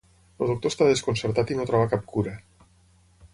El doctor està desconcertat i no troba cap cura.